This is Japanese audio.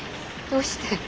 どうして？